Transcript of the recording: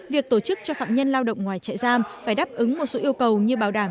việc tổ chức cho phạm nhân lao động ngoài chạy giam phải đáp ứng một số yêu cầu như bảo đảm